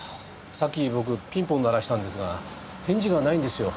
さっき僕ピンポン鳴らしたんですが返事がないんですよ。